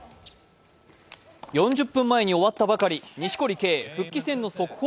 ４０分前に終わったばかり、錦織圭、復帰戦の速報。